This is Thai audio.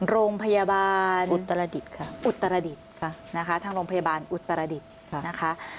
โรงพยาบาลอุตรดิตค่ะอุตรดิตนะคะทางโรงพยาบาลอุตรดิตนะคะ